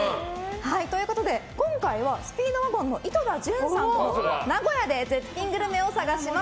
ということで今回はスピードワゴンの井戸田潤さんと名古屋で絶品グルメを探します。